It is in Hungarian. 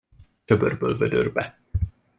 Csöbörből vödörbe.